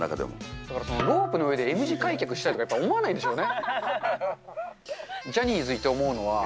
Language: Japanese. だからロープの上でＭ字開脚したいとか思わないでしょうね。